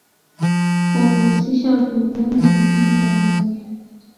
kwa kuhusisha wapinzani na makundi mbalimbali